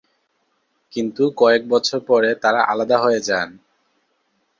কিন্তু কয়েক বছর পরে তারা আলাদা হয়ে যান।